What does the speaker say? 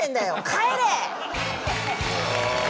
帰れ！